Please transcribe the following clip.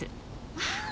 ああ。